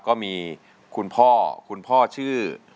ก็มีคุณพ่อคุณพ่อชื่อ